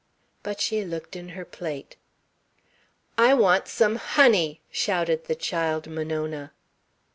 But she looked in her plate. "I want some honey," shouted the child, Monona.